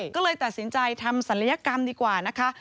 ก็เลยตัดสินใจทำศัลยกรรมดีกว่านะคะ